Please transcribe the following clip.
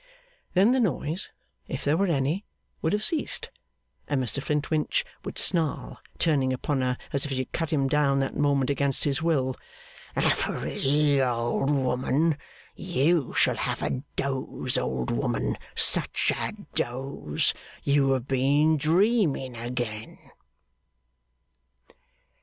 Then the noise, if there were any, would have ceased, and Mr Flintwinch would snarl, turning upon her as if she had cut him down that moment against his will, 'Affery, old woman, you shall have a dose, old woman, such a dose! You have been dreaming again!